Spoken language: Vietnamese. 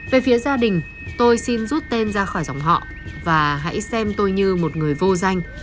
về phía gia đình tôi xin rút tên ra khỏi dòng họ và hãy xem tôi như một người vô danh